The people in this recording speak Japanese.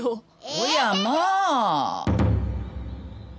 ・おやまあ。